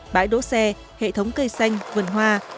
bãi đỗ xe hệ thống cây xanh vườn hoa